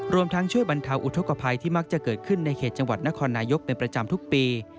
รวมทั้งช่วยบรรเทาอุทธกภัยที่มักจะเกิดขึ้นในเขตจังหวัดนครนายกเป็นประจำทุกปี